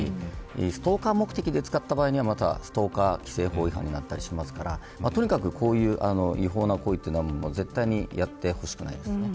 ストーカー目的で使った場合にはストーカー規制法違反になったりしますからとにかく、こういった違法な行為はやってほしくないです。